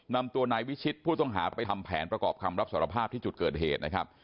นำตัวนายวิชิตผู้ต้องหาไปทำแผนประกอบคำรับสารภาพที่จุดเกิดเหตุนะครับ